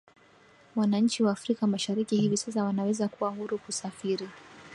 Wananchi wa Afrika Mashariki hivi sasa wanaweza kuwa huru kusafiri